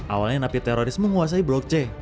awalnya napi teroris menguasai blok c